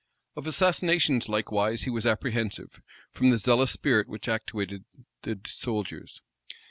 Of assassinations, likewise, he was apprehensive, from the zealous spirit which actuated the soldiers.